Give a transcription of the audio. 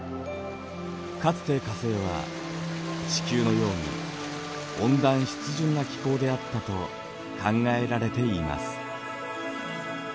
かつて火星は地球のように温暖湿潤な気候であったと考えられています。